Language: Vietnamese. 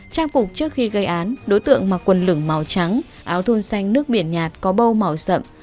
trang phục trước khi gây án đối tượng mặc quần lửng màu trắng áo thun xanh nước biển nhạt có bâu màu sậm